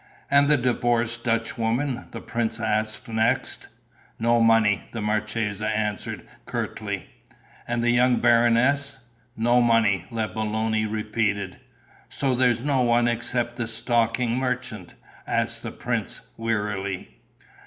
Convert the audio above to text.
"And the divorced Dutchwoman?" the prince asked next. "No money," the marchesa answered, curtly. "And the young baroness?" "No money," la Belloni repeated. "So there's no one except the stocking merchant?" asked the prince, wearily.